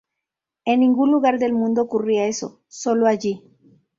En ningún lugar del mundo ocurría eso, solo allí.